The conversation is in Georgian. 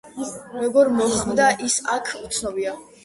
როგორ მოხვდა ის აქ, უცნობია.